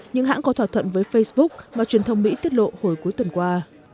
những hãng có thỏa thuận với facebook mà truyền thông mỹ tiết lộ hồi cuối tuần qua